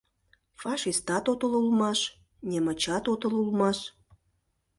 — Фашистат отыл улмаш, немычат отыл улмаш...